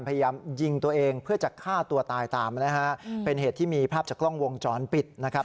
พยายามยิงตัวเองเพื่อจะฆ่าตัวตายตามนะฮะเป็นเหตุที่มีภาพจากกล้องวงจรปิดนะครับ